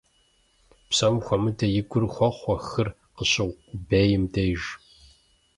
Псом хуэмыдэу и гур хохъуэ хыр къыщыукъубейм деж.